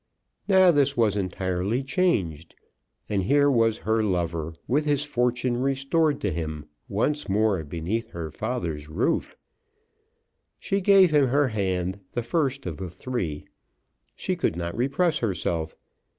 Now this was entirely changed, and here was her lover, with his fortune restored to him, once more beneath her father's roof! She gave him her hand the first of the three. She could not repress herself.